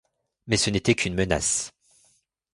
Mais ce n'était qu'une menace.